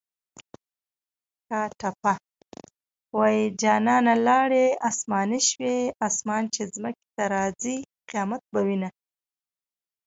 ټپه ده: جانانه لاړې اسماني شوې اسمان چې ځمکې ته راځۍ قیامت به وینه